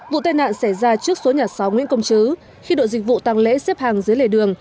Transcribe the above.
vụ tai nạn xảy ra trước số nhà sáu nguyễn công chứ khi đội dịch vụ tăng lễ xếp hàng dưới lề đường